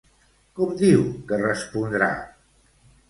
Com diu que respondrà?